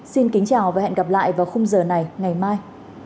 xin kính chào và hẹn gặp lại vào khung giờ này ngày mai